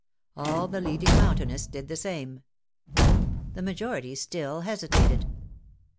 All the leading Mountainists did the same. The majority still hesitated.